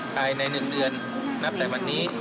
ภายใน๑เดือนนับแต่วันนี้